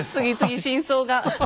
次々真相が。